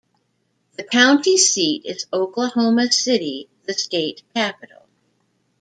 The county seat is Oklahoma City, the state capital.